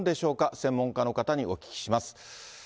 専門家の方にお聞きします。